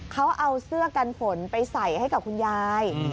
เขาเอาเสื้อกันฝนไปใส่ให้กับคุณยาย